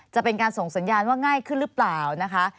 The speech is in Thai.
จะเป็นการส่งสัญญาณว่าง่ายขึ้นหรือเปล่านะคะ